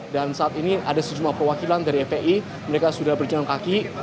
dan saat ini ada sejumlah perwakilan dari fpi mereka sudah berjalan kaki